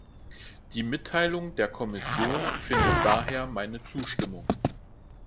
Die Mitteilung der Kommission findet daher meine Zustimmung.